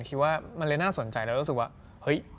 คิดว่ามันเลยน่าสนใจแล้วรู้สึกว่าเฮ้ย